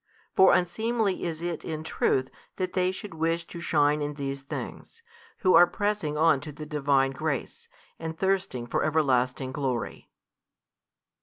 For unseemly is it in truth that they should wish to shine in these things, who are pressing on to the Divine grace, and thirsting for everlasting glory.